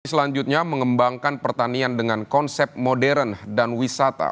selanjutnya mengembangkan pertanian dengan konsep modern dan wisata